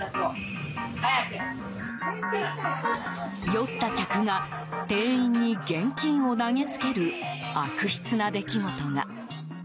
酔った客が店員に現金を投げつける悪質な出来事が。